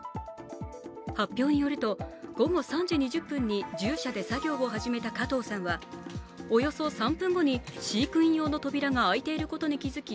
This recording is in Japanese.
発表によると午後３時２０分に獣舎で作業を始めた加藤さんはおよそ３分後に飼育員用の扉が開いていることに気付き